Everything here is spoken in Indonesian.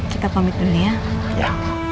kita pamit dulu ya